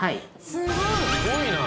すごいな！